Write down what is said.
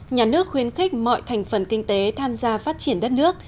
nhà nước khuyến khích mọi thành phần kinh tế tham gia phát triển đất nước